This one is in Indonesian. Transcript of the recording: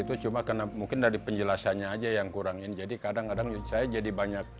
itu cuma karena mungkin dari penjelasannya aja yang kurangin jadi kadang kadang saya jadi banyak